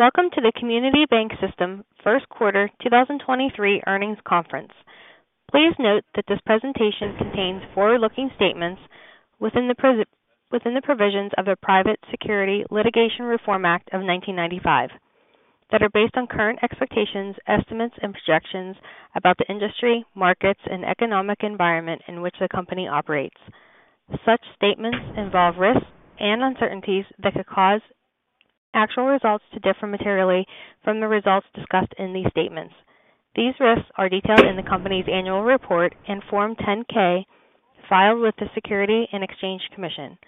Welcome to the Community Bank System first quarter 2023 earnings conference. Please note that this presentation contains forward-looking statements within the provisions of the Private Securities Litigation Reform Act of 1995, that are based on current expectations, estimates, and projections about the industry, markets, and economic environment in which the company operates. Such statements involve risks and uncertainties that could cause actual results to differ materially from the results discussed in these statements. These risks are detailed in the company's annual report in Form 10-K filed with the Securities and Exchange Commission.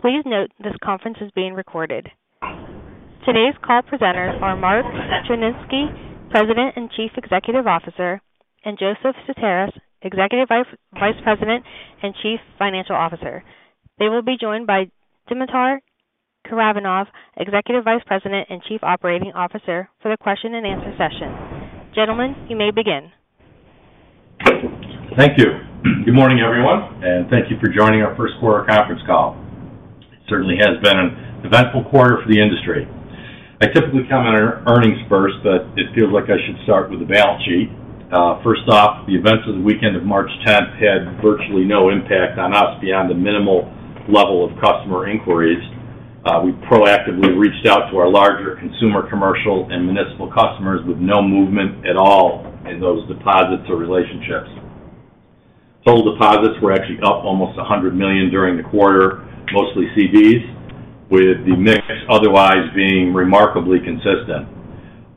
Please note this conference is being recorded. Today's call presenters are Mark Tryniski, President and Chief Executive Officer, and Joseph Sutaris, Executive Vice President and Chief Financial Officer. They will be joined by Dimitar Karaivanov, Executive Vice President and Chief Operating Officer for the question and answer session. Gentlemen, you may begin. Thank you. Good morning, everyone, and thank you for joining our first quarter conference call. It certainly has been an eventful quarter for the industry. I typically comment on our earnings first, but it feels like I should start with the balance sheet. First off, the events of the weekend of March 10th had virtually no impact on us beyond the minimal level of customer inquiries. We proactively reached out to our larger consumer, commercial, and municipal customers with no movement at all in those deposits or relationships. Total deposits were actually up almost $100 million during the quarter, mostly CDs, with the mix otherwise being remarkably consistent.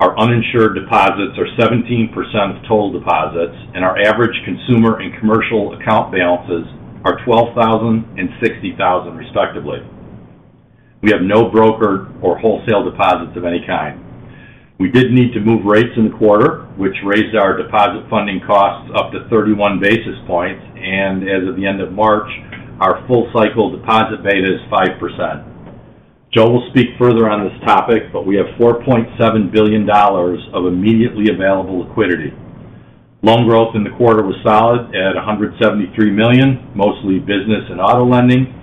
Our uninsured deposits are 17% of total deposits, and our average consumer and commercial account balances are $12,000 and $60,000 respectively. We have no brokered or wholesale deposits of any kind. We did need to move rates in the quarter, which raised our deposit funding costs up to 31 basis points. As of the end of March, our full cycle deposit beta is 5%. Joe will speak further on this topic. We have $4.7 billion of immediately available liquidity. Loan growth in the quarter was solid at $173 million, mostly business and auto lending.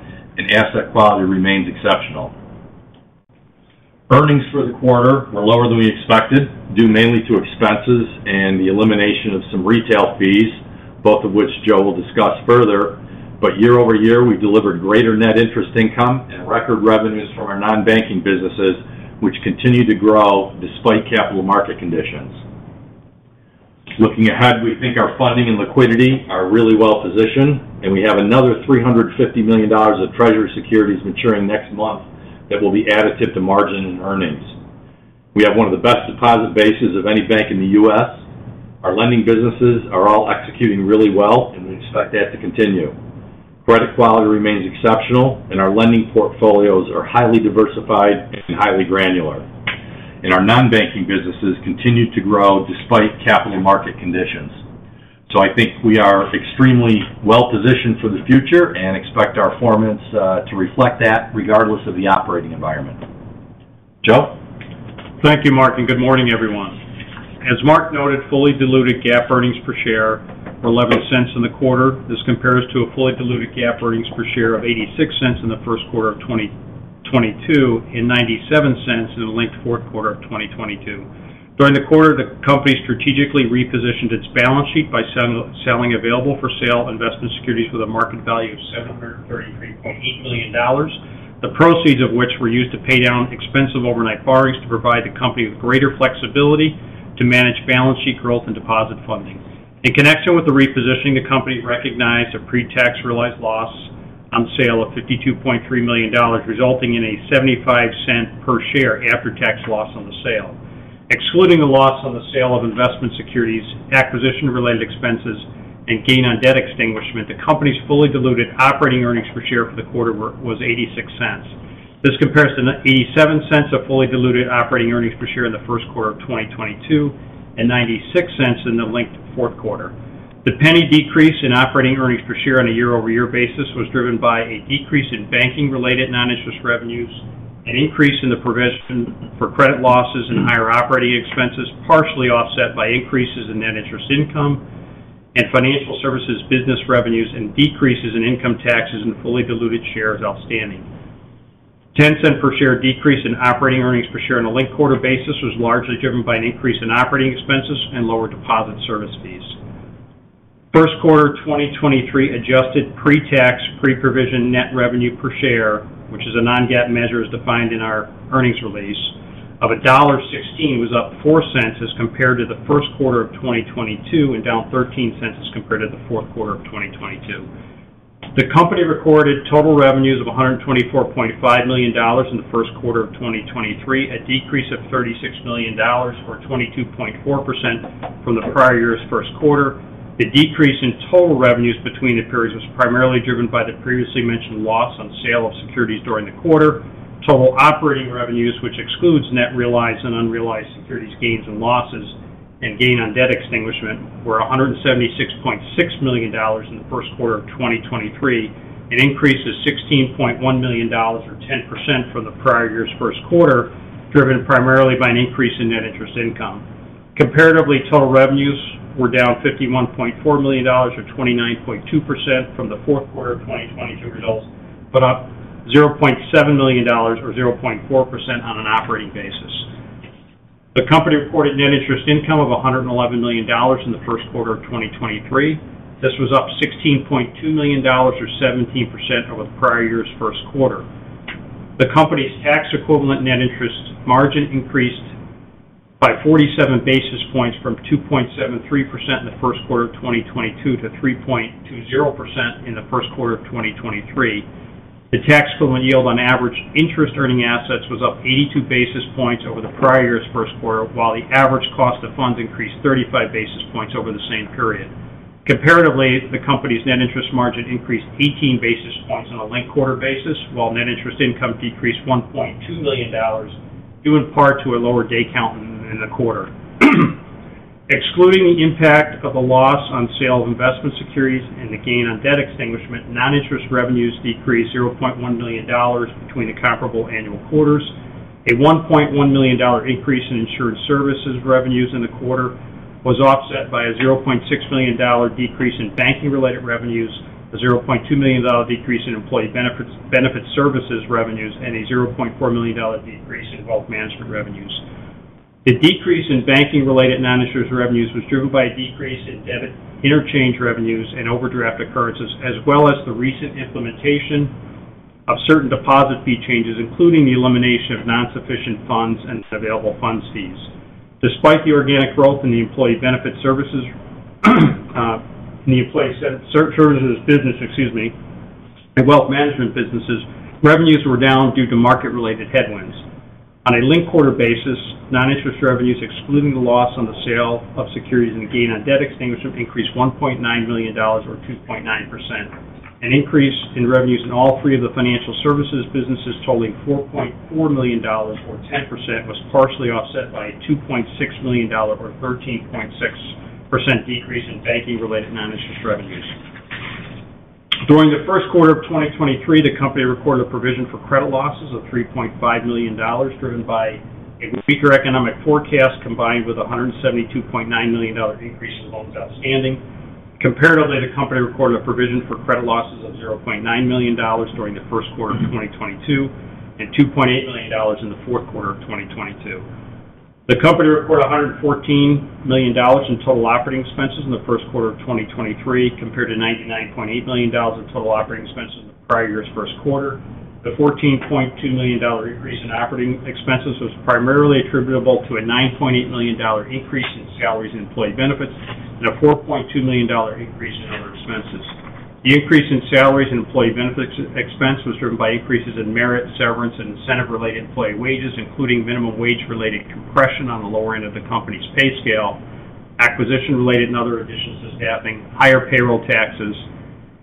Asset quality remains exceptional. Earnings for the quarter were lower than we expected, due mainly to expenses and the elimination of some retail fees, both of which Joe will discuss further. Year-over-year, we delivered greater net interest income and record revenues from our non-banking businesses, which continue to grow despite capital market conditions. Looking ahead, we think our funding and liquidity are really well positioned, and we have another $350 million of Treasury securities maturing next month that will be additive to margin and earnings. We have one of the best deposit bases of any bank in the U.S. Our lending businesses are all executing really well, and we expect that to continue. Credit quality remains exceptional and our lending portfolios are highly diversified and highly granular. Our non-banking businesses continue to grow despite capital market conditions. I think we are extremely well positioned for the future and expect our performance to reflect that regardless of the operating environment. Joe? Thank you, Mark. Good morning, everyone. As Mark noted, fully diluted GAAP earnings per share were $0.11 in the quarter. This compares to a fully diluted GAAP earnings per share of $0.86 in the first quarter of 2022 and $0.97 in the linked fourth quarter of 2022. During the quarter, the company strategically repositioned its balance sheet by selling available for sale investment securities with a market value of $733.8 million, the proceeds of which were used to pay down expensive overnight borrowings to provide the company with greater flexibility to manage balance sheet growth and deposit funding. In connection with the repositioning, the company recognized a pre-tax realized loss on sale of $52.3 million, resulting in a $0.75 per share after-tax loss on the sale. Excluding the loss on the sale of investment securities, acquisition related expenses and gain on debt extinguishment, the company's fully diluted operating earnings per share for the quarter was $0.86. This compares to $0.87 of fully diluted operating earnings per share in the 1st quarter of 2022 and $0.96 in the linked fourth quarter. The penny decrease in operating earnings per share on a year-over-year basis was driven by a decrease in banking-related non-interest revenues, an increase in the provision for credit losses and higher operating expenses, partially offset by increases in net interest income and financial services business revenues and decreases in income taxes and fully diluted shares outstanding. $0.10 per share decrease in operating earnings per share on a linked quarter basis was largely driven by an increase in operating expenses and lower deposit service fees. First quarter 2023 adjusted Pre-Tax, Pre-Provision Net Revenue per share, which is a non-GAAP measure as defined in our earnings release of $1.16 was up $0.04 as compared to the first quarter of 2022 and down $0.13 as compared to the fourth quarter of 2022. The company recorded total revenues of $124.5 million in the first quarter of 2023, a decrease of $36 million or 22.4% from the prior year's first quarter. The decrease in total revenues between the periods was primarily driven by the previously mentioned loss on sale of securities during the quarter. Total operating revenues, which excludes net realized and unrealized securities gains and losses and gain on debt extinguishment, were $176.6 million in the first quarter of 2023, an increase of $16.1 million or 10% from the prior year's first quarter, driven primarily by an increase in net interest income. Comparatively, total revenues were down $51.4 million or 29.2% from the fourth quarter of 2022 results, but up $0.7 million or 0.4% on an operating basis. The company reported net interest income of $111 million in the first quarter of 2023. This was up $16.2 million or 17% over the prior year's first quarter. The company's tax-equivalent net interest margin increased by 47 basis points from 2.73% in the first quarter of 2022 to 3.20% in the first quarter of 2023. The tax-equivalent yield on average interest earning assets was up 82 basis points over the prior year's first quarter, while the average cost of funds increased 35 basis points over the same period. Comparatively, the company's net interest margin increased 18 basis points on a linked quarter basis, while net interest income decreased $1.2 million, due in part to a lower day count in the quarter. Excluding the impact of a loss on sale of investment securities and the gain on debt extinguishment, non-interest revenues decreased $0.1 million between the comparable annual quarters. A $1.1 million increase in insurance services revenues in the quarter was offset by a $0.6 million decrease in banking-related revenues, a $0.2 million decrease in employee benefits services revenues, and a $0.4 million decrease in wealth management revenues. The decrease in banking-related non-interest revenues was driven by a decrease in debit interchange revenues and overdraft occurrences, as well as the recent implementation of certain deposit fee changes, including the elimination of non-sufficient funds and available funds fees. Despite the organic growth in the employee services business, excuse me, and wealth management businesses, revenues were down due to market-related headwinds. On a linked quarter basis, non-interest revenues, excluding the loss on the sale of securities and the gain on debt extinguishment, increased $1.9 million or 2.9%. An increase in revenues in all three of the financial services businesses totaling $4.4 million or 10% was partially offset by a $2.6 million or 13.6% decrease in banking-related non-interest revenues. During the first quarter of 2023, the company reported a provision for credit losses of $3.5 million driven by a weaker economic forecast combined with a $172.9 million increase in loans outstanding. Comparatively, the company reported a provision for credit losses of $0.9 million during the first quarter of 2022 and $2.8 million in the fourth quarter of 2022. The company reported $114 million in total operating expenses in the first quarter of 2023, compared to $99.8 million in total operating expenses in the prior year's first quarter. The $14.2 million increase in operating expenses was primarily attributable to a $9.8 million increase in salaries and employee benefits and a $4.2 million increase in other expenses. The increase in salaries and employee benefits expense was driven by increases in merit, severance, and incentive-related employee wages, including minimum wage-related compression on the lower end of the company's pay scale, acquisition-related and other additional staffing, higher payroll taxes,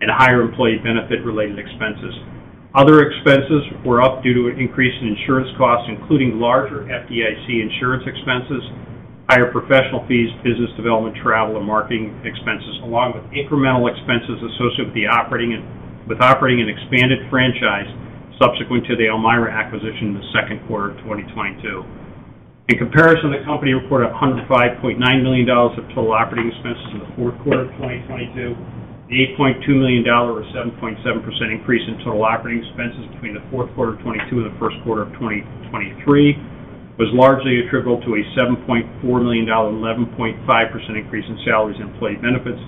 and higher employee benefit-related expenses. Other expenses were up due to an increase in insurance costs, including larger FDIC insurance expenses, higher professional fees, business development, travel, and marketing expenses, along with incremental expenses associated with operating an expanded franchise subsequent to the Elmira acquisition in the second quarter of 2022. In comparison, the company reported $105.9 million of total operating expenses in the fourth quarter of 2022. The $8.2 million or 7.7% increase in total operating expenses between the fourth quarter of 2022 and the first quarter of 2023 was largely attributable to a $7.4 million, 11.5% increase in salaries employee benefits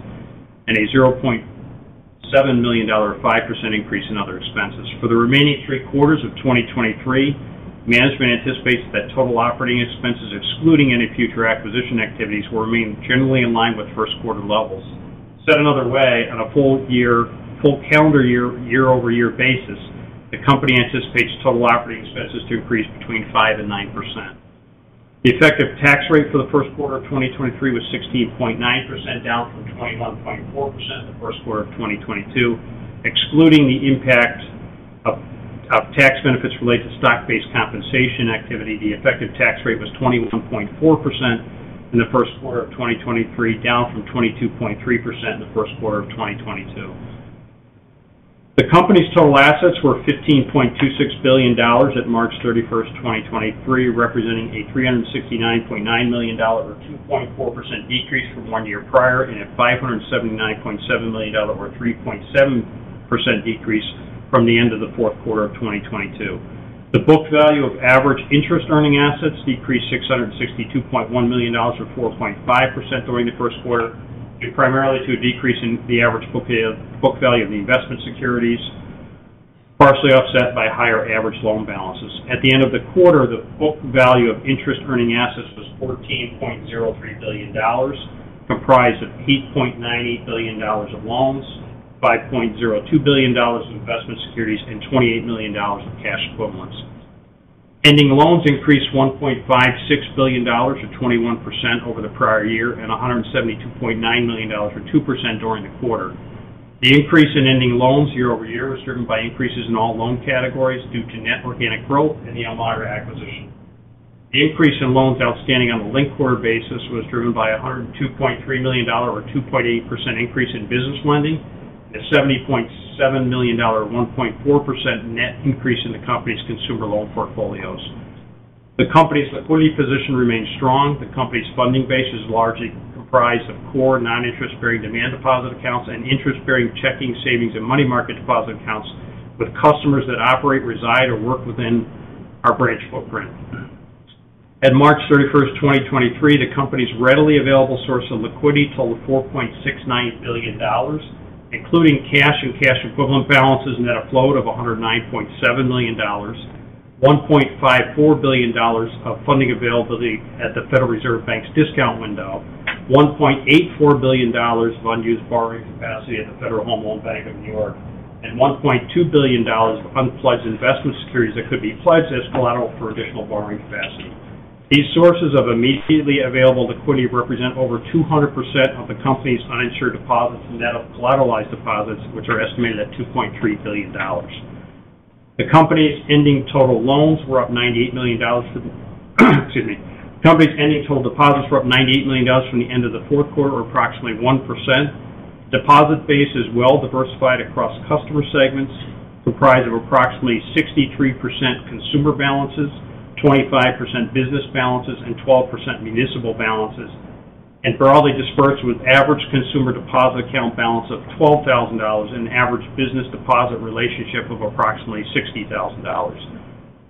and a $0.7 million, 5% increase in other expenses. For the remaining three quarters of 2023, management anticipates that total operating expenses, excluding any future acquisition activities, will remain generally in line with first quarter levels. Said another way, on a full year, full calendar year-over-year basis, the company anticipates total operating expenses to increase between 5% and 9%. The effective tax rate for the first quarter of 2023 was 16.9%, down from 21.4% in the first quarter of 2022. Excluding the impact of tax benefits related to stock-based compensation activity, the effective tax rate was 21.4% in the first quarter of 2023, down from 22.3% in the first quarter of 2022. The company's total assets were $15.26 billion at March 31, 2023, representing a $369.9 million or 2.4% decrease from one year prior and a $579.7 million or 3.7% decrease from the end of the fourth quarter of 2022. The book value of average interest earning assets decreased $662.1 million or 4.5% during the first quarter, due primarily to a decrease in the average book value of the investment securities, partially offset by higher average loan balances. At the end of the quarter, the book value of interest earning assets was $14.03 billion, comprised of $8.98 billion of loans, $5.02 billion of investment securities, and $28 million of cash equivalents. Ending loans increased $1.56 billion or 21% year-over-year and $172.9 million or 2% during the quarter. The increase in ending loans year-over-year was driven by increases in all loan categories due to net organic growth in the Elmira acquisition. The increase in loans outstanding on a linked quarter basis was driven by a $102.3 million or 2.8% increase in business lending. A $70.7 million, 1.4% net increase in the company's consumer loan portfolios. The company's liquidity position remains strong. The company's funding base is largely comprised of core non-interest bearing demand deposit accounts and interest-bearing checking, savings, and money market deposit accounts with customers that operate, reside, or work within our branch footprint. At March 31, 2023, the company's readily available source of liquidity totaled $4.69 billion, including cash and cash equivalent balances and net afloat of $109.7 million. $1.54 billion of funding availability at the Federal Reserve Bank's discount window. $1.84 billion of unused borrowing capacity at the Federal Home Loan Bank of New York. $1.2 billion of unpledged investment securities that could be pledged as collateral for additional borrowing capacity. These sources of immediately available liquidity represent over 200% of the company's uninsured deposits and net of collateralized deposits, which are estimated at $2.3 billion. The company's ending total loans were up $98 million, excuse me. The company's ending total deposits were up $98 million from the end of the fourth quarter, or approximately 1%. Deposit base is well diversified across customer segments, comprised of approximately 63% consumer balances, 25% business balances, and 12% municipal balances, and broadly dispersed with average consumer deposit account balance of $12,000 and average business deposit relationship of approximately $60,000.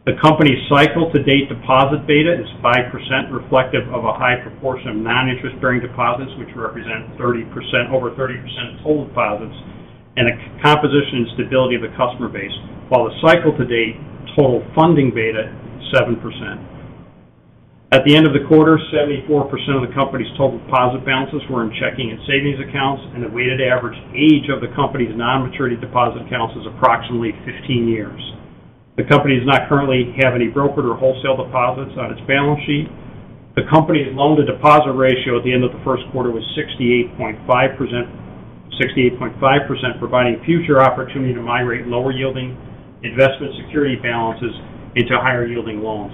The company's cycle-to-date deposit beta is 5% reflective of a high proportion of non-interest bearing deposits, which represent over 30% of total deposits and a composition and stability of the customer base, while the cycle-to-date total funding beta, 7%. At the end of the quarter, 74% of the company's total deposit balances were in checking and savings accounts, and the weighted average age of the company's non-maturity deposit accounts is approximately 15 years. The company does not currently have any brokered or wholesale deposits on its balance sheet. The company's loan-to-deposit ratio at the end of the first quarter was 68.5%, providing future opportunity to migrate lower yielding investment security balances into higher yielding loans.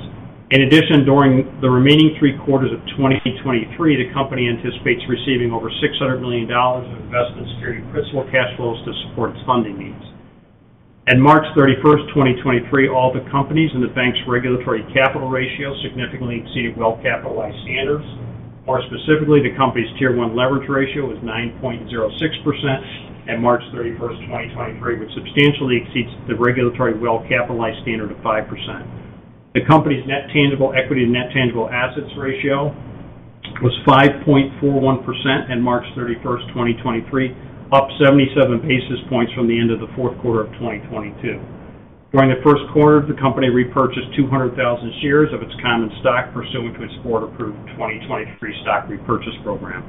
In addition, during the remaining 3 quarters of 2023, the company anticipates receiving over $600 million of investment security principal cash flows to support its funding needs. At March 31, 2023, all the companies in the bank's regulatory capital ratio significantly exceeded well-capitalized standards. More specifically, the company's Tier 1 leverage ratio was 9.06% at March 31, 2023, which substantially exceeds the regulatory well-capitalized standard of 5%. The company's net tangible equity and net tangible assets ratio was 5.41% at March 31, 2023, up 77 basis points from the end of the fourth quarter of 2022. During the first quarter, the company repurchased 200,000 shares of its common stock pursuant to its board-approved 2023 stock repurchase program.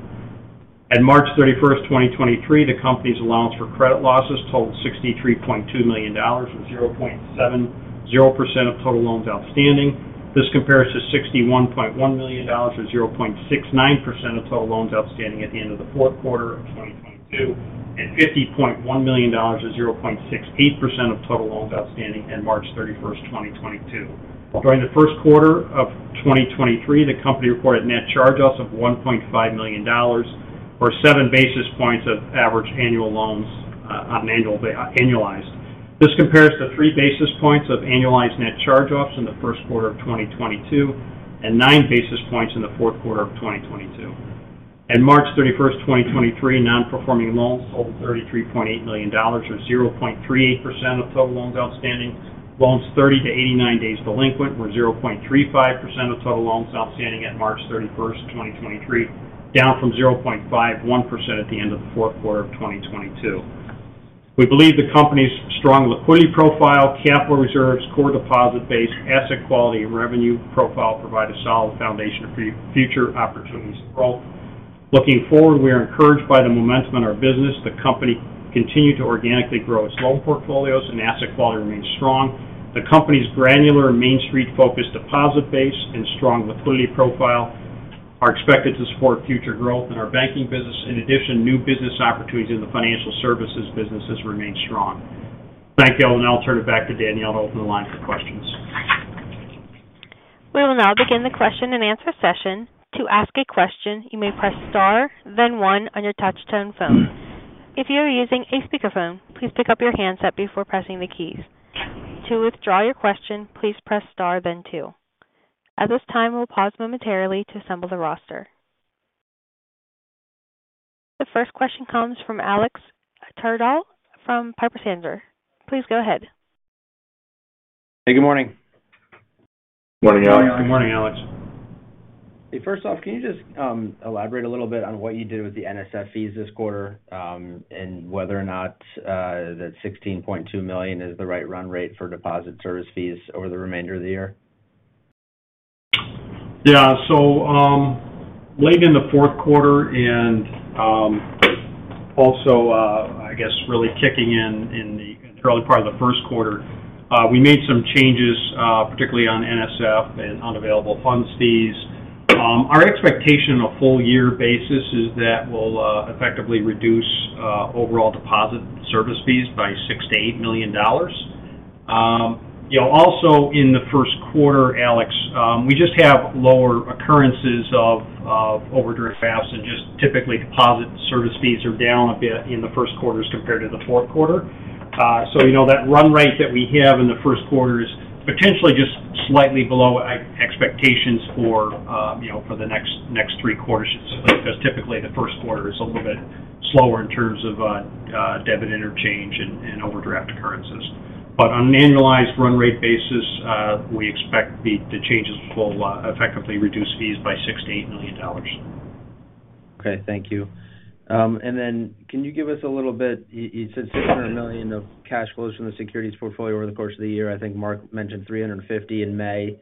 At March 31st, 2023, the company's allowance for credit losses totaled $63.2 million, or 0.70% of total loans outstanding. This compares to $61.1 million, or 0.69% of total loans outstanding at the end of the fourth quarter of 2022, $50.1 million, or 0.68% of total loans outstanding at March 31st, 2022. During the first quarter of 2023, the company reported net charge-offs of $1.5 million, or 7 basis points of average annual loans, on an annualized. This compares to 3 basis points of annualized net charge-offs in the first quarter of 2022 and 9 basis points in the fourth quarter of 2022. At March 31st, 2023, non-performing loans totaled $33.8 million, or 0.38% of total loans outstanding. Loans 30 to 89 days delinquent were 0.35% of total loans outstanding at March 31st, 2023, down from 0.51% at the end of the fourth quarter of 2022. We believe the company's strong liquidity profile, capital reserves, core deposit base, asset quality, and revenue profile provide a solid foundation for future opportunities for growth. Looking forward, we are encouraged by the momentum in our business. The company continued to organically grow its loan portfolios and asset quality remains strong. The company's granular and Main Street-focused deposit base and strong liquidity profile are expected to support future growth in our banking business. In addition, new business opportunities in the financial services businesses remain strong. Thank you. I'll turn it back to Danielle to open the line for questions. We will now begin the question-and-answer session. To ask a question, you may press star then one on your touch tone phone. If you are using a speakerphone, please pick up your handset before pressing the keys. To withdraw your question, please press star then two. At this time, we'll pause momentarily to assemble the roster. The first question comes from Alex Twerdahl from Piper Sandler. Please go ahead. Hey, good morning. Good morning, Alex. Good morning, Alex. Hey, first off, can you just elaborate a little bit on what you did with the NSF fees this quarter, and whether or not that $16.2 million is the right run rate for deposit service fees over the remainder of the year? Late in the fourth quarter and also, I guess really kicking in the early part of the first quarter, we made some changes, particularly on NSF and unavailable funds fees. Our expectation on a full year basis is that we'll effectively reduce overall deposit service fees by $6 million-$8 million. You know, also in the first quarter, Alex, we just have lower occurrences of overdraft fees and just typically deposit service fees are down a bit in the first quarters compared to the fourth quarter. You know that run rate that we have in the first quarter is potentially just slightly below expectations for, you know, for the next 3 quarters. Typically, the first quarter is a little bit slower in terms of debit interchange and overdraft occurrences. On an annualized run rate basis, we expect the changes will effectively reduce fees by $6 million-$8 million. Okay. Thank you. Can you give us a little bit. You said $600 million of cash flows from the securities portfolio over the course of the year. I think Mark mentioned $350 in May.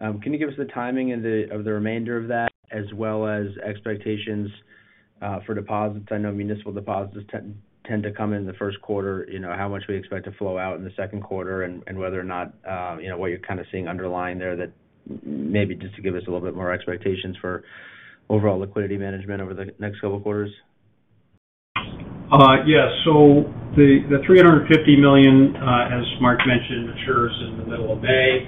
Can you give us the timing and of the remainder of that as well as expectations for deposits? I know municipal deposits tend to come in the first quarter. You know, how much we expect to flow out in the second quarter and whether or not, you know, what you're kind of seeing underlying there that maybe just to give us a little bit more expectations for overall liquidity management over the next couple of quarters. Yes. The $350 million, as Mark mentioned, matures in the middle of May.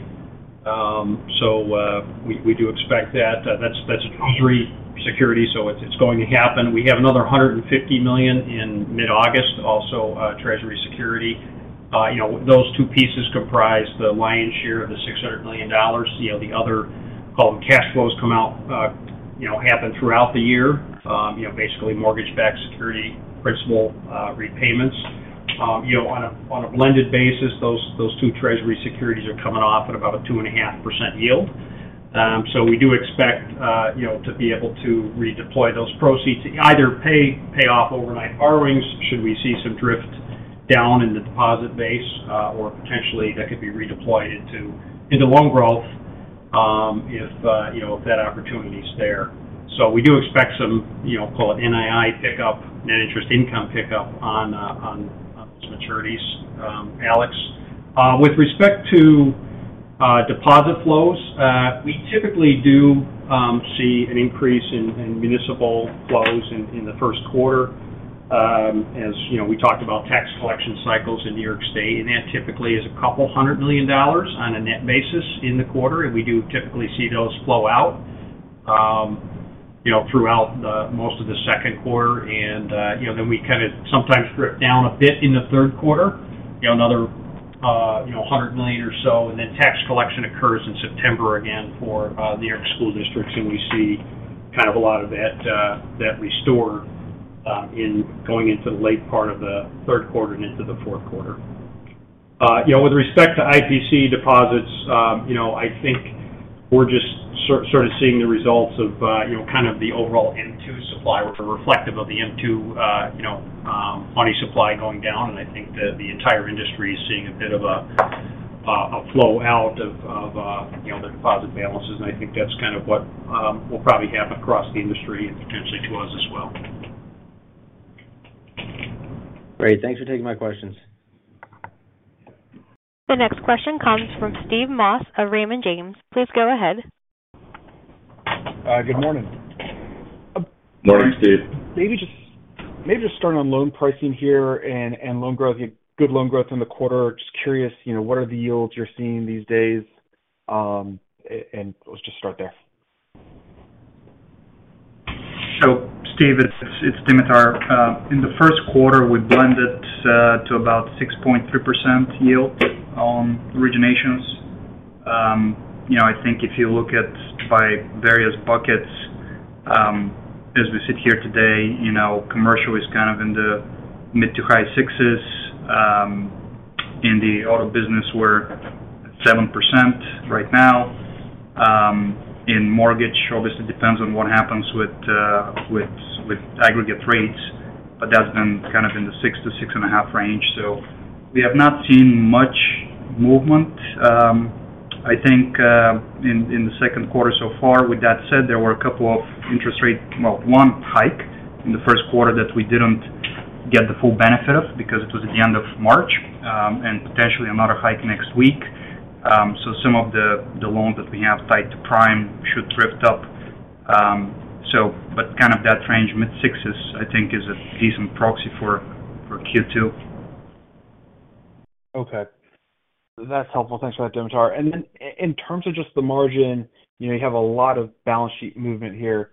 We do expect that. That's Treasury security, so it's going to happen. We have another $150 million in mid-August, also, Treasury security. You know, those two pieces comprise the lion's share of the $600 million. You know, the other, call them cash flows come out, you know, happen throughout the year, you know, basically mortgage-backed security principal, repayments. You know, on a blended basis, those two Treasury securities are coming off at about a 2.5% yield. We do expect, you know, to be able to redeploy those proceeds to either pay off overnight borrowings should we see some drift down in the deposit base, or potentially that could be redeployed into loan growth, if, you know, if that opportunity is there. We do expect some, you know, call it NII pickup, net interest income pickup on those maturities, Alex. With respect to deposit flows, we typically do see an increase in municipal flows in the first quarter. As, you know, we talked about tax collection cycles in New York State, that typically is $200 million on a net basis in the quarter. We do typically see those flow out, you know, throughout the most of the second quarter. Then we kind of sometimes drift down a bit in the third quarter, another $100 million or so. Tax collection occurs in September again for New York school districts, and we see kind of a lot of that that restore in going into the late part of the third quarter and into the fourth quarter. With respect to IPC deposits, I think we're just sort of seeing the results of kind of the overall M2 supply, which are reflective of the M2 money supply going down. I think the entire industry is seeing a flow out of, you know, the deposit balances, and I think that's kind of what will probably happen across the industry and potentially to us as well. Great. Thanks for taking my questions. The next question comes from Steve Moss of Raymond James. Please go ahead. Good morning. Morning, Steve. Maybe just start on loan pricing here and loan growth. You had good loan growth in the quarter. Just curious, you know, what are the yields you're seeing these days? And let's just start there. Steve, it is Dimitar. In the first quarter, we blended to about 6.3% yield on originations. You know, I think if you look at by various buckets, as we sit here today, you know, commercial is kind of in the mid to high sixes. In the auto business, we are at 7% right now. In mortgage, obviously, it depends on what happens with aggregate rates, but that has been kind of in the six to six and a half range. We have not seen much movement, I think, in the second quarter so far. With that said, there were a couple of interest rate, well, one hike in the first quarter that we did not get the full benefit of because it was at the end of March, and potentially another hike next week. Some of the loans that we have tied to Prime should drift up. Kind of that range, mid-sixes, I think is a decent proxy for Q2. Okay. That's helpful. Thanks for that, Dimitar. Then in terms of just the margin, you know, you have a lot of balance sheet movement here,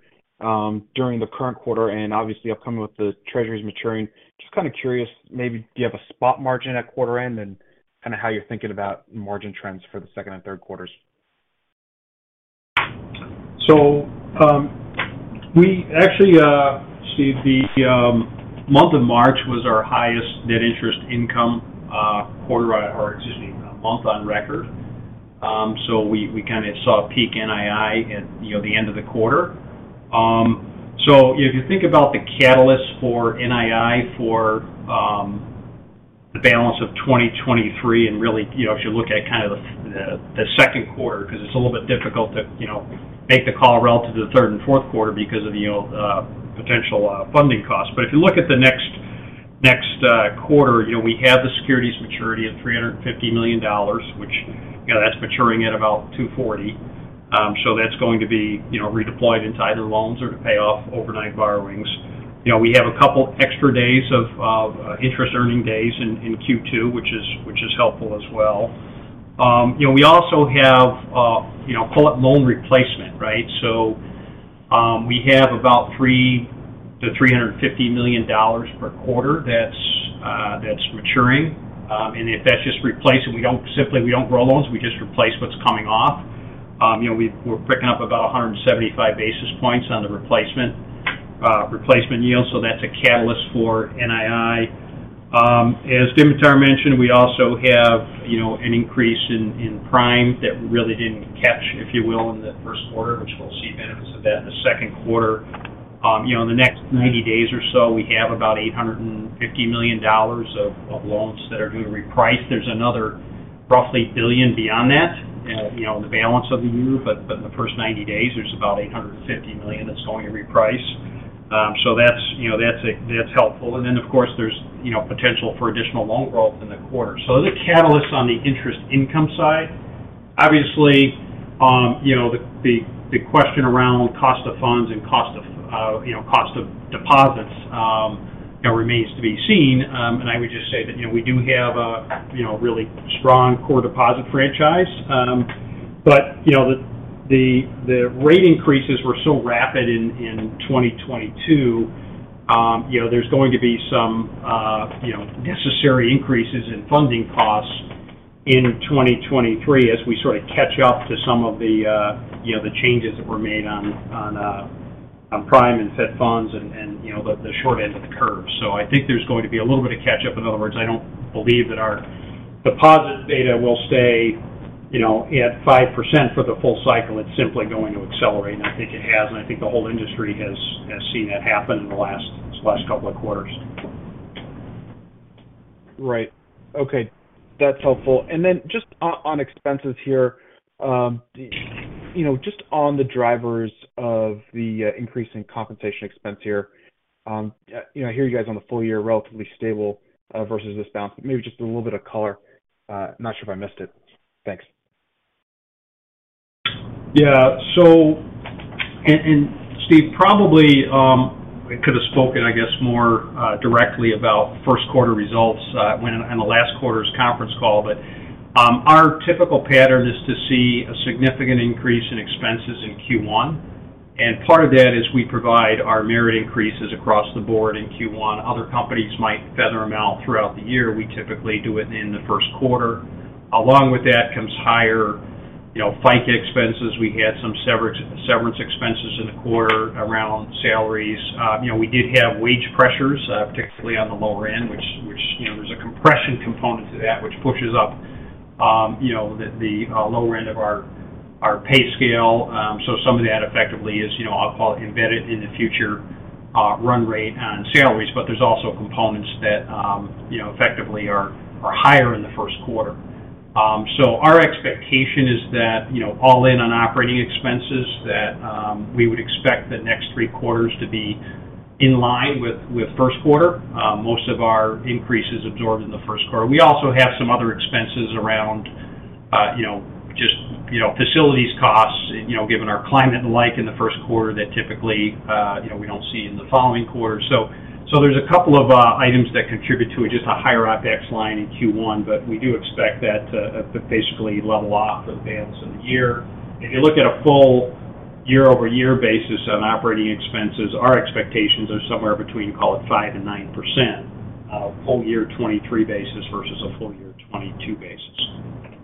during the current quarter and obviously upcoming with the treasuries maturing. Just kind of curious, maybe do you have a spot margin at quarter end and kind of how you're thinking about margin trends for the second and third quarters? We actually, Steve, the month of March was our highest net interest income quarter, or excuse me, month on record. We kind of saw a peak NII at, you know, the end of the quarter. If you think about the catalyst for NII for the balance of 2023 and really, you know, if you look at kind of the second quarter because it's a little bit difficult to, you know, make the call relative to the third and fourth quarter because of the, you know, potential funding costs. If you look at the next quarter, you know, we have the securities maturity of $350 million, which, you know, that's maturing at about 2.40%. That's going to be, you know, redeployed into either loans or to pay off overnight borrowings. You know, we have a couple extra days of interest earning days in Q2, which is helpful as well. You know, we also have, you know, call it loan replacement, right? We have about $300 million-$350 million per quarter that's maturing. If that's just replaced and we don't simply, we don't grow loans, we just replace what's coming off. You know, we're picking up about 175 basis points on the replacement yield, so that's a catalyst for NII. As Dimitar mentioned, we also have, you know, an increase in prime that we really didn't catch, if you will, in the first quarter, which we'll see benefits of that in the second quarter. You know, in the next 90 days or so, we have about $850 million of loans that are due to reprice. There's another roughly $1 billion beyond that, you know, in the balance of the year, but in the first 90 days, there's about $850 million that's going to reprice. That's, you know, that's helpful. Then, of course, there's, you know, potential for additional loan growth in the quarter. Those are catalysts on the interest income side. Obviously, you know, the question around cost of funds and cost of, you know, cost of deposits, you know, remains to be seen. I would just say that, you know, we do have a, you know, really strong core deposit franchise. You know, the rate increases were so rapid in 2022. You know, there's going to be some, you know, necessary increases in funding costs in 2023 as we sort of catch up to some of the, you know, the changes that were made on Prime and Fed funds and, you know, the short end of the curve. I think there's going to be a little bit of catch up. In other words, I don't believe that our deposit beta will stay, you know, at 5% for the full cycle. It's simply going to accelerate, and I think it has, and I think the whole industry has seen that happen in the last, these last couple of quarters. Right. Okay. That's helpful. just on expenses here. you know, just on the drivers of the increase in compensation expense here. you know, I hear you guys on the full year relatively stable versus this bounce, maybe just a little bit of color. Not sure if I missed it. Thanks. Yeah. Steve Moss, probably, I could have spoken, I guess, more directly about first quarter results, on the last quarter's conference call. Our typical pattern is to see a significant increase in expenses in Q1, and part of that is we provide our merit increases across the board in Q1. Other companies might feather them out throughout the year. We typically do it in the first quarter. Along with that comes higher, you know, FICA expenses. We had some severance expenses in the quarter around salaries. You know, we did have wage pressures, particularly on the lower end, which, you know, there's a compression component to that which pushes up, you know, the lower end of our pay scale. Some of that effectively is, you know, I'll call it embedded in the future run rate on salaries, but there's also components that, you know, effectively are higher in the first quarter. Our expectation is that, you know, all in on operating expenses that, we would expect the next 3 quarters to be in line with first quarter. Most of our increase is absorbed in the first quarter. We also have some other expenses around, you know, just, you know, facilities costs, you know, given our climate and the like in the first quarter that typically, you know, we don't see in the following quarter. There's a couple of items that contribute to it, just a higher OpEx line in Q1, but we do expect that to basically level off for the balance of the year. If you look at a full year-over-year basis on operating expenses, our expectations are somewhere between, call it 5% and 9%, full year 2023 basis versus a full year 2022 basis.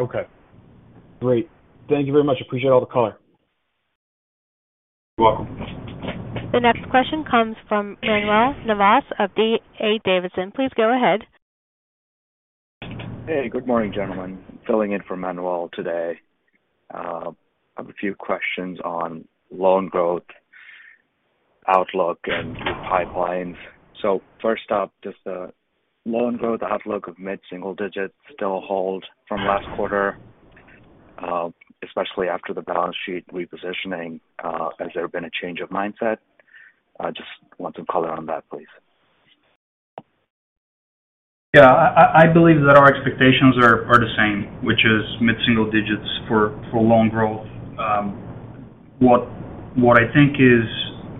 Okay. Great. Thank you very much. Appreciate all the color. You're welcome. The next question comes from Manuel Navas of D.A. Davidson. Please go ahead. Hey, good morning, gentlemen. Filling in for Manuel today. I have a few questions on loan growth outlook and pipelines. First up, does the loan growth outlook of mid-single digits still hold from last quarter, especially after the balance sheet repositioning? Has there been a change of mindset? Just want some color on that, please. Yeah. I believe that our expectations are the same, which is mid-single digits for loan growth. What I think is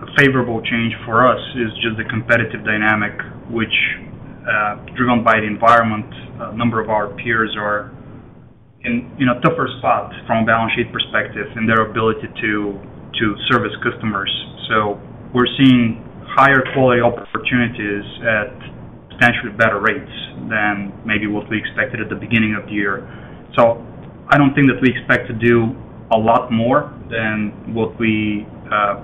a favorable change for us is just the competitive dynamic which driven by the environment, a number of our peers are in, you know, tougher spots from a balance sheet perspective and their ability to service customers. We're seeing higher quality opportunities at potentially better rates than maybe what we expected at the beginning of the year. I don't think that we expect to do a lot more than what we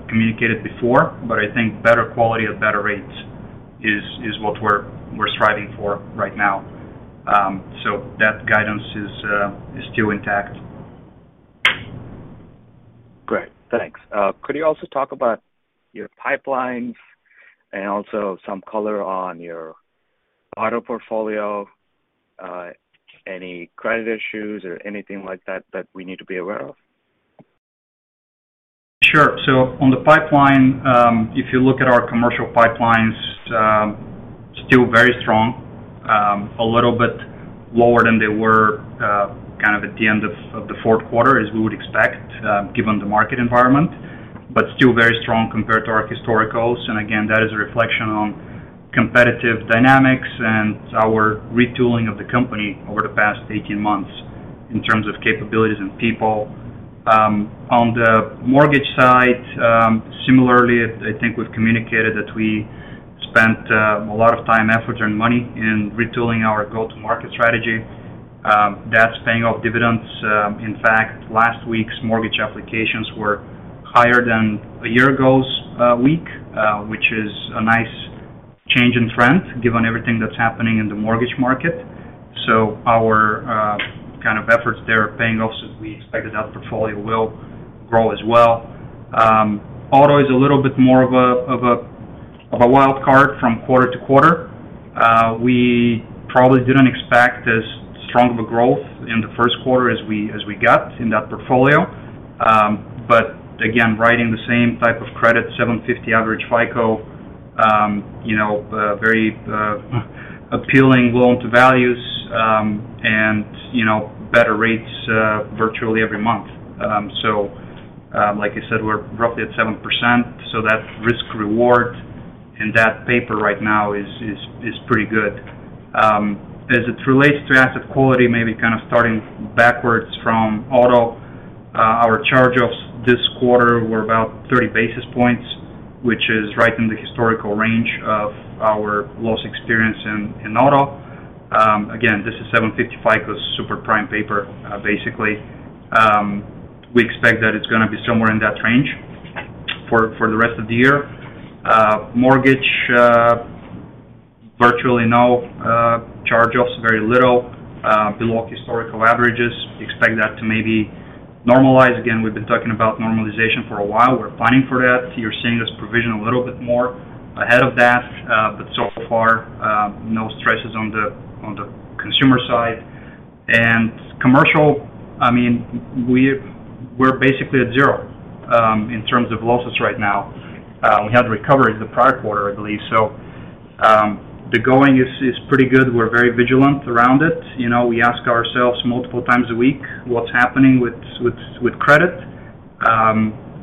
communicated before, but I think better quality at better rates is what we're striving for right now. That guidance is still intact. Great. Thanks. Could you also talk about your pipelines and also some color on your auto portfolio? Any credit issues or anything like that that we need to be aware of? Sure. On the pipeline, if you look at our commercial pipelines, still very strong. A little bit lower than they were, kind of at the end of the fourth quarter as we would expect, given the market environment. Still very strong compared to our historicals. Again, that is a reflection on competitive dynamics and our retooling of the company over the past 18 months in terms of capabilities and people. On the mortgage side, similarly, I think we've communicated that we spent a lot of time, effort, and money in retooling our go-to-market strategy. That's paying off dividends. In fact, last week's mortgage applications were higher than a year ago's week, which is a nice change in trend given everything that's happening in the mortgage market. Our kind of efforts there are paying off, so we expect that that portfolio will grow as well. Auto is a little bit more of a wild card from quarter to quarter. We probably didn't expect as strong of a growth in the first quarter as we got in that portfolio. Again, writing the same type of credit, 750 average FICO, you know, very appealing loan to values, and, you know, better rates, virtually every month. Like I said, we're roughly at 7%, so that risk reward in that paper right now is pretty good. As it relates to asset quality, maybe kind of starting backwards from auto, our charge-offs this quarter were about 30 basis points, which is right in the historical range of our loss experience in auto. Again, this is 750 FICO, super prime paper, basically. We expect that it's gonna be somewhere in that range for the rest of the year. Mortgage, virtually no charge-offs, very little, below historical averages. Expect that to maybe normalize. Again, we've been talking about normalization for a while. We're planning for that. You're seeing us provision a little bit more ahead of that. So far, no stresses on the consumer side. Commercial, I mean, we're basically at 0 in terms of losses right now. We had recovery the prior quarter, I believe. The going is pretty good. We're very vigilant around it. You know, we ask ourselves multiple times a week, what's happening with credit.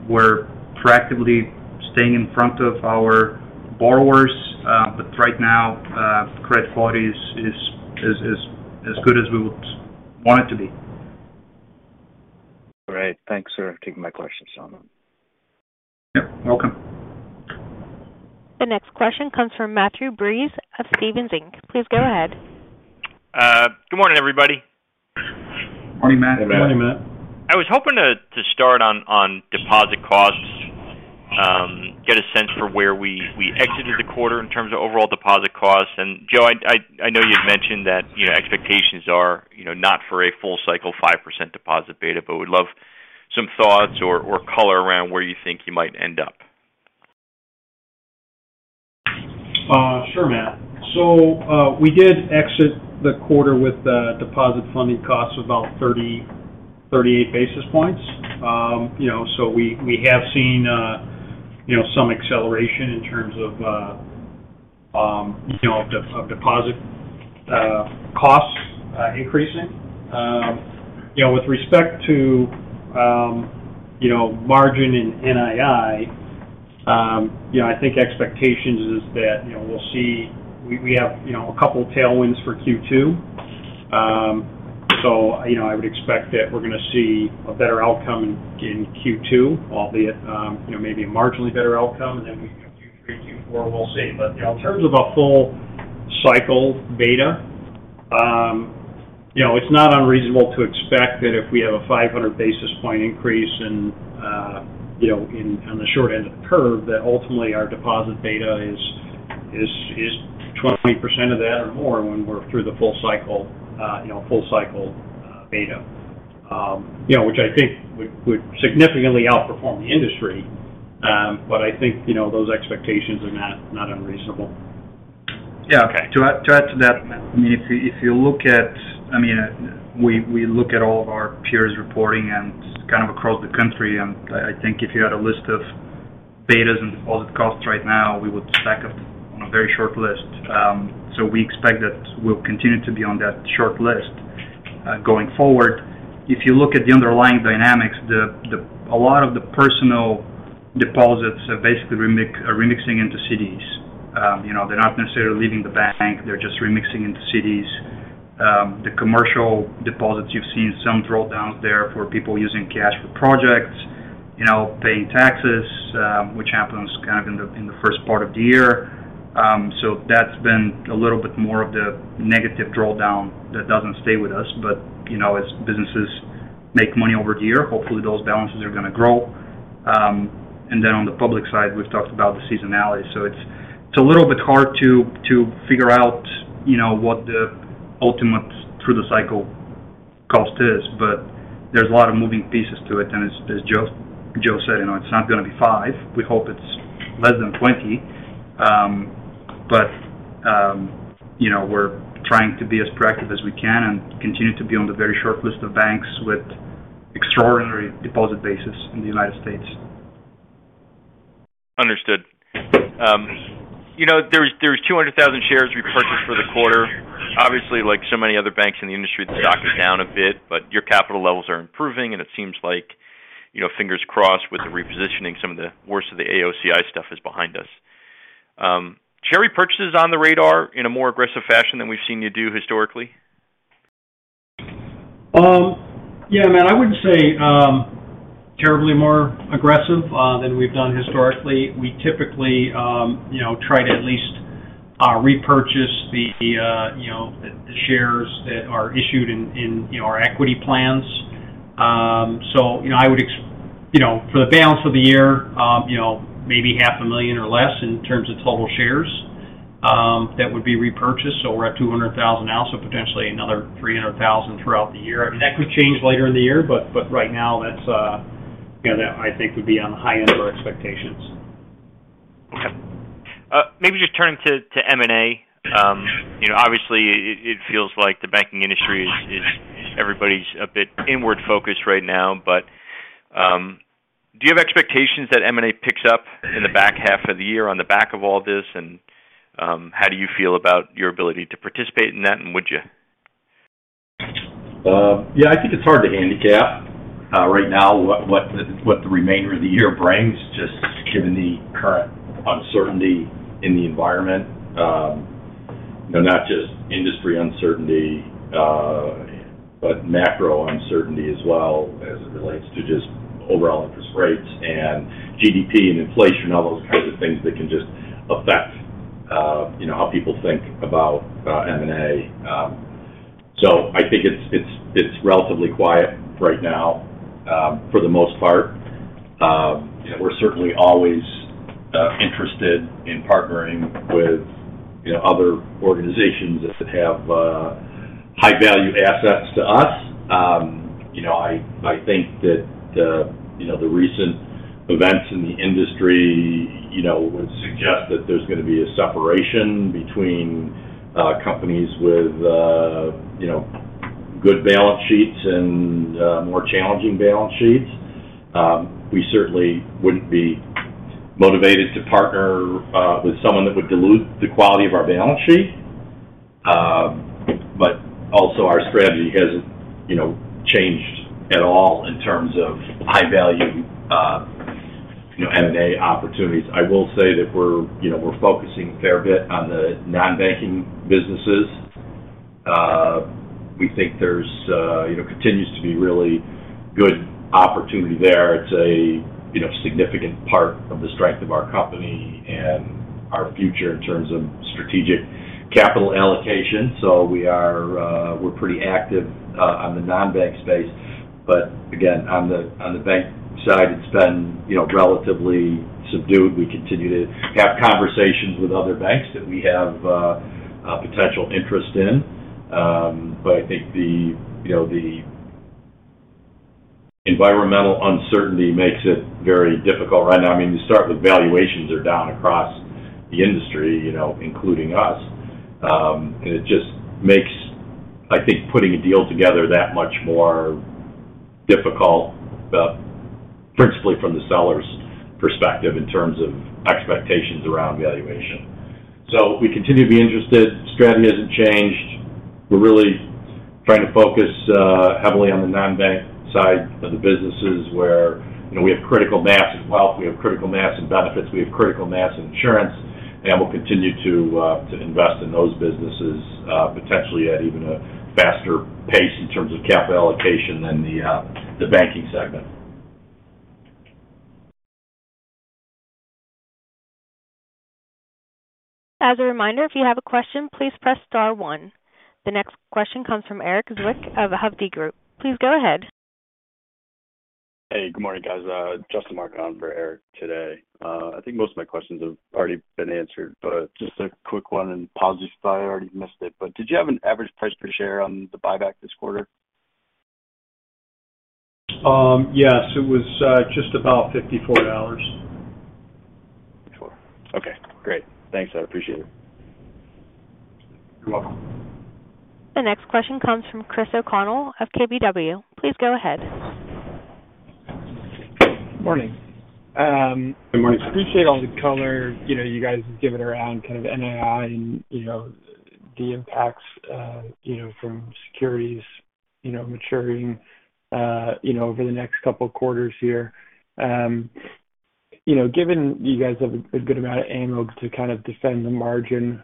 We're proactively staying in front of our borrowers. But right now, credit quality is as good as we would want it to be. Great. Thanks for taking my questions, Sean. Yep. Welcome. The next question comes from Matthew Breese of Stephens Inc. Please go ahead. Good morning, everybody. Morning, Matt. I was hoping to start on deposit costs, get a sense for where we exited the quarter in terms of overall deposit costs. Joe, I know you've mentioned that, you know, expectations are, you know, not for a full cycle 5% deposit beta, but would love some thoughts or color around where you think you might end up. Sure, Matthew. We did exit the quarter with the deposit funding costs of about 38 basis points. You know, we have seen, you know, some acceleration in terms of, you know, of deposit costs increasing. You know, with respect to, you know, margin in NII, you know, I think expectations is that, you know, we have, you know, a couple tailwinds for Q2. You know, I would expect that we're gonna see a better outcome in Q2, albeit, you know, maybe a marginally better outcome. We can do Q3, Q4, we'll see. You know, in terms of a full cycle beta, you know, it's not unreasonable to expect that if we have a 500 basis point increase in, you know, in, on the short end of the curve, that ultimately our deposit beta is 20% of that or more when we're through the full cycle, you know, full cycle beta. You know, which I think would significantly outperform the industry. I think, you know, those expectations are not unreasonable. Yeah. Okay. To add to that, I mean, if you, if you look at, I mean, we look at all of our peers reporting and kind of across the country, and I think if you had a list of betas and deposit costs right now, we would stack up on a very short list. We expect that we'll continue to be on that short list going forward. If you look at the underlying dynamics, a lot of the personal deposits are basically remixing into cities. You know, they're not necessarily leaving the bank, they're just remixing into cities. The commercial deposits, you've seen some drawdowns there for people using cash for projects. You know, paying taxes, which happens kind of in the first part of the year. That's been a little bit more of the negative drawdown that doesn't stay with us. You know, as businesses make money over the year, hopefully those balances are gonna grow. Then on the public side, we've talked about the seasonality. it's a little bit hard to figure out, you know, what the ultimate through the cycle cost is, but there's a lot of moving pieces to it. As Joe said, you know, it's not gonna be five. We hope it's less than 20. You know, we're trying to be as proactive as we can and continue to be on the very short list of banks with extraordinary deposit bases in the United States. Understood. You know, there's 200,000 shares repurchased for the quarter. Obviously, like so many other banks in the industry, the stock is down a bit, but your capital levels are improving, and it seems like, you know, fingers crossed with the repositioning, some of the worst of the AOCI stuff is behind us. Share purchases on the radar in a more aggressive fashion than we've seen you do historically? Yeah, man, I wouldn't say terribly more aggressive than we've done historically. We typically, you know, try to at least repurchase the, you know, the shares that are issued in, you know, our equity plans. You know, I would, you know, for the balance of the year, you know, maybe half a million or less in terms of total shares that would be repurchased. We're at $200,000 now, potentially another $300,000 throughout the year. I mean, that could change later in the year, but right now that's, you know, that I think would be on the high end of our expectations. Okay. maybe just turning to M&A. you know, obviously it feels like the banking industry is everybody's a bit inward-focused right now. Do you have expectations that M&A picks up in the back half of the year on the back of all this? How do you feel about your ability to participate in that, and would you? Yeah, I think it's hard to handicap right now what the remainder of the year brings, just given the current uncertainty in the environment. You know, not just industry uncertainty, but macro uncertainty as well as it relates to just overall interest rates and GDP and inflation, all those kinds of things that can just affect, you know, how people think about M&A. I think it's relatively quiet right now for the most part. We're certainly always interested in partnering with, you know, other organizations that have high value assets to us. You know, I think that the, you know, the recent events in the industry, you know, would suggest that there's going to be a separation between companies with, you know, good balance sheets and more challenging balance sheets. We certainly wouldn't be motivated to partner with someone that would dilute the quality of our balance sheet. But also our strategy hasn't, you know, changed at all in terms of high value, you know, M&A opportunities. I will say that we're, you know, we're focusing a fair bit on the non-banking businesses. We think there's, you know, continues to be really good opportunity there. It's a, you know, significant part of the strength of our company and our future in terms of strategic capital allocation. We are, we're pretty active on the non-bank space. Again, on the, on the bank side, it's been, you know, relatively subdued. We continue to have conversations with other banks that we have potential interest in. I think the, you know, the environmental uncertainty makes it very difficult right now. I mean, you start with valuations are down across the industry, you know, including us. It just makes, I think, putting a deal together that much more difficult, principally from the seller's perspective in terms of expectations around valuation. We continue to be interested. Strategy hasn't changed. We're really trying to focus heavily on the non-bank side of the businesses where, you know, we have critical mass in wealth, we have critical mass in benefits, we have critical mass in insurance, and we'll continue to invest in those businesses, potentially at even a faster pace in terms of capital allocation than the banking segment. As a reminder, if you have a question, please press star 1. The next question comes from Erik Zwick of The Hovde Group. Please go ahead. Hey, good morning, guys. Justin Mark on for Erik today. I think most of my questions have already been answered, but just a quick one, and Paul, just thought I already missed it, but did you have an average price per share on the buyback this quarter? Yes. It was, just about $54. Sure. Okay, great. Thanks. I appreciate it. You're welcome. The next question comes from Christopher O'Connell of KBW. Please go ahead. Morning. Good morning. Appreciate all the color, you know, you guys have given around kind of NII and, you know, the impacts, you know, from securities, you know, maturing, you know, over the next couple of quarters here. you know, given you guys have a good amount of ammo to kind of defend the margin,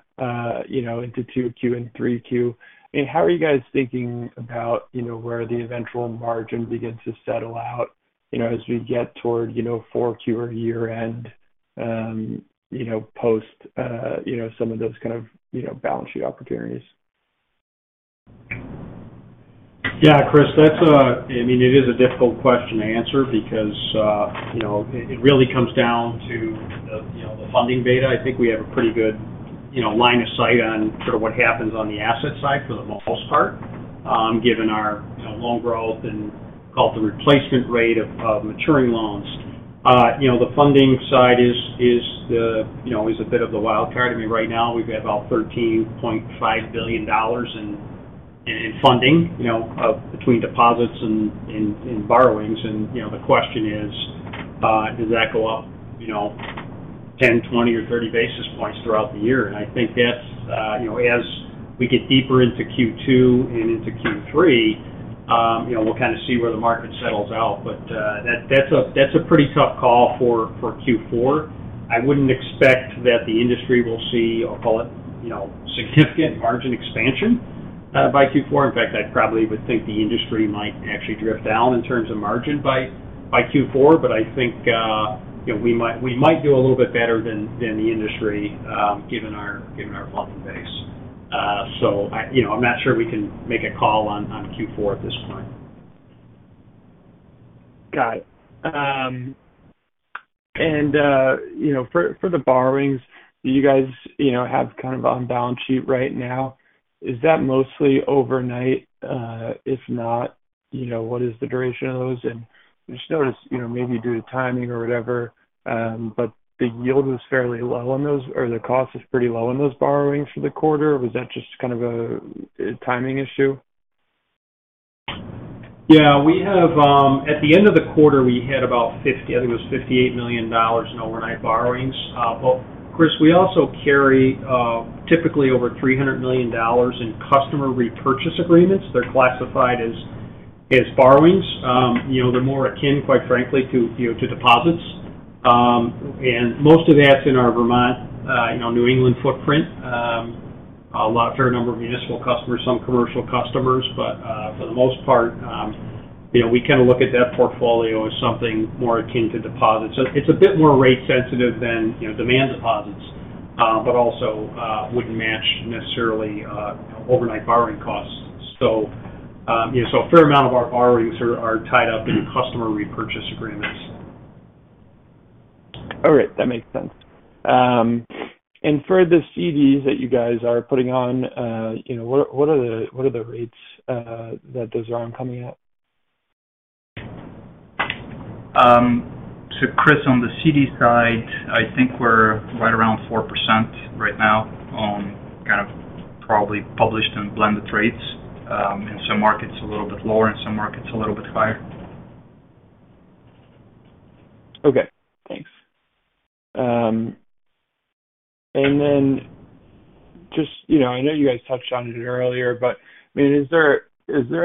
you know, into 2Q and 3Q, I mean, how are you guys thinking about, you know, where the eventual margin begins to settle out, you know, as we get toward, you know, 4Q or year-end, you know, post, you know, some of those kind of, you know, balance sheet opportunities? Yeah, Chris, that's, I mean, it is a difficult question to answer because, you know, it really comes down to the, you know, the funding beta. I think we have a pretty good, you know, line of sight on sort of what happens on the asset side for the most part, given our, you know, loan growth and call it the replacement rate of maturing loans. You know, the funding side is the, you know, is a bit of a wild card. I mean, right now we've got about $13.5 billion in funding, you know, between deposits and borrowings. You know, the question is, does that go up, you know, 10, 20 or 30 basis points throughout the year? I think that's, you know, as we get deeper into Q2 and into Q3, you know, we'll kind of see where the market settles out. That's a pretty tough call for Q4. I wouldn't expect that the industry will see, I'll call it, you know, significant margin expansion by Q4. In fact, I probably would think the industry might actually drift down in terms of margin by Q4. I think, you know, we might do a little bit better than the industry, given our funding base. So I, you know, I'm not sure we can make a call on Q4 at this point. Got it. You know, for the borrowings, do you guys, you know, have kind of on balance sheet right now, is that mostly overnight? If not, you know, what is the duration of those? I just noticed, you know, maybe due to timing or whatever, but the yield was fairly low on those, or the cost is pretty low on those borrowings for the quarter. Was that just kind of a timing issue? Yeah. We have, at the end of the quarter, we had about $58 million in overnight borrowings. Christopher O'Connell, we also carry, typically over $300 million in customer repurchase agreements. They're classified as borrowings. You know, they're more akin, quite frankly, to, you know, to deposits. Most of that's in our Vermont, you know, New England footprint. A fair number of municipal customers, some commercial customers. For the most part, you know, we kind of look at that portfolio as something more akin to deposits. It's a bit more rate sensitive than, you know, demand deposits, but also wouldn't match necessarily overnight borrowing costs. You know, so a fair amount of our borrowings are tied up in customer repurchase agreements. All right, that makes sense. For the CDs that you guys are putting on, you know, what are the rates that those are coming at? Chris, on the CD side, I think we're right around 4% right now on kind of probably published and blended rates. In some markets a little bit lower, in some markets a little bit higher. Okay, thanks. Just, you know, I know you guys touched on it earlier, but, I mean, is there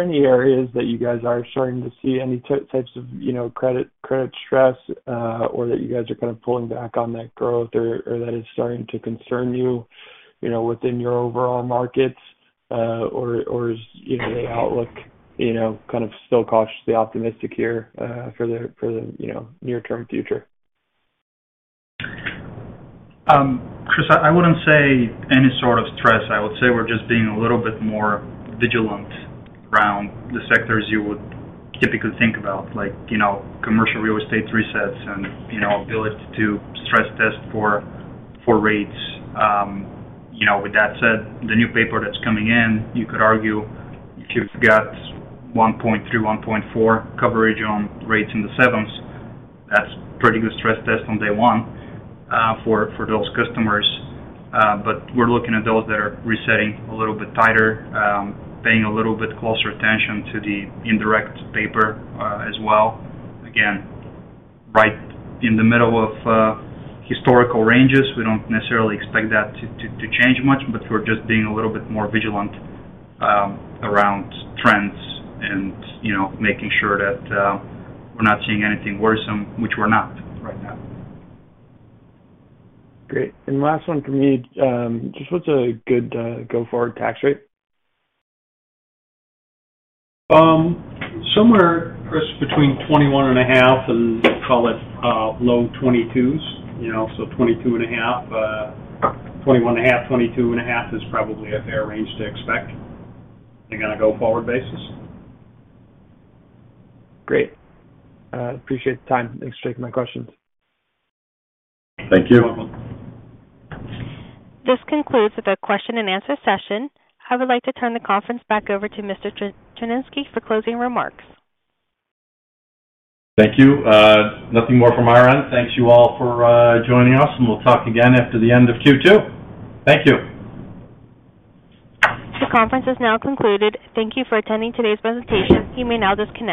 any areas that you guys are starting to see any types of, you know, credit stress, or that you guys are kind of pulling back on that growth or that is starting to concern you know, within your overall markets, or is, you know, the outlook, you know, kind of still cautiously optimistic here for the, you know, near-term future? Chris, I wouldn't say any sort of stress. I would say we're just being a little bit more vigilant around the sectors you would typically think about, like, you know, commercial real estate resets and, you know, ability to stress test for rates. You know, with that said, the new paper that's coming in, you could argue if you've got 1.3, 1.4 coverage on rates in the 7s, that's pretty good stress test on day one for those customers. We're looking at those that are resetting a little bit tighter, paying a little bit closer attention to the indirect paper as well. Again, right in the middle of historical ranges. We don't necessarily expect that to change much, but we're just being a little bit more vigilant, around trends and, you know, making sure that, we're not seeing anything worrisome, which we're not right now. Great. Last one from me. Just what's a good go forward tax rate? Somewhere, Chris, between 21.5, and call it, low 22s. You know, 22.5, 21.5, 22.5 is probably a fair range to expect on a go forward basis. Great. appreciate the time. Thanks, Jake, for my questions. Thank you. You're welcome. This concludes the question and answer session. I would like to turn the conference back over to Mr. Tryniski for closing remarks. Thank you. Nothing more from our end. Thank you all for joining us, and we'll talk again after the end of Q2. Thank you. The conference is now concluded. Thank you for attending today's presentation. You may now disconnect.